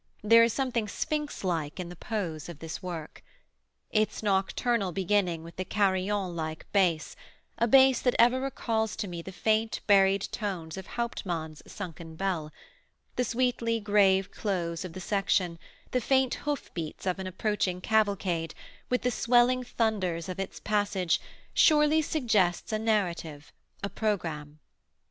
There is something sphinx like in the pose of this work. Its nocturnal beginning with the carillon like bass a bass that ever recalls to me the faint, buried tones of Hauptmann's "Sunken Bell," the sweetly grave close of the section, the faint hoof beats of an approaching cavalcade, with the swelling thunders of its passage, surely suggests a narrative, a programme.